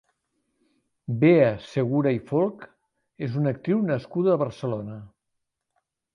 Bea Segura i Folch és una actriu nascuda a Barcelona.